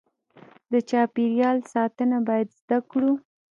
د چاپیریال ساتنه باید زده کړو.